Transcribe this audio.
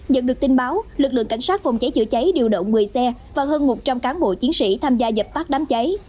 nhận được tin báo lực lượng cảnh sát phòng cháy chữa cháy điều động một mươi xe và hơn một trăm linh cán bộ chiến sĩ tham gia dập tắt đám cháy